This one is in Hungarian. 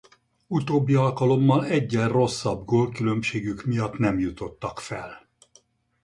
Utóbbi alkalommal eggyel rosszabb gólkülönbségük miatt nem jutottak fel.